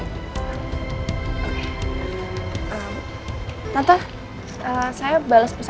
nonton saya bales pesan sebentar ya oke siena aku mau kabarin aku masih di rumah tante rosa